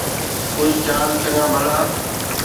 خوش چاڪ چڱان ڀلا